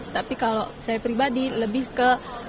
tapi kalau saya pribadi lebih ke